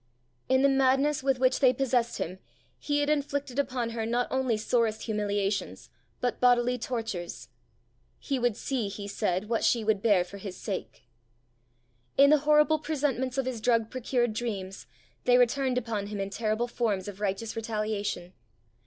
In the madness with which they possessed him, he had inflicted upon her not only sorest humiliations, but bodily tortures: he would see, he said, what she would bear for his sake! In the horrible presentments of his drug procured dreams they returned upon him in terrible forms of righteous retaliation.